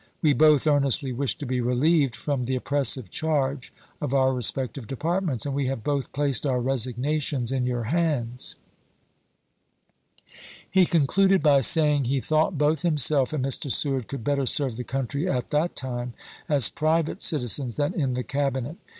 We both earnestly wish to be relieved from the oppressive charge of our respective Depart ments, and we have both placed our resignations in your hands. He concluded by saying he thought both himself and Mr. Seward could better serve the country at that time as private citizens than in the Cabinet.